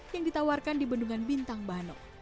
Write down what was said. yang ditawarkan di bendungan bintang bano